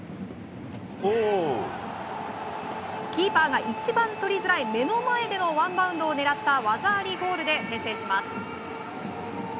キーパーが一番取りづらい目の前でのワンバウンドを狙った技ありゴールで先制します。